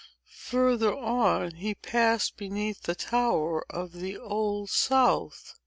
Further on, he passed beneath the tower of the Old South.